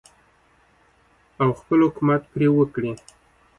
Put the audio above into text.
او خپل حکومت پرې وکړي.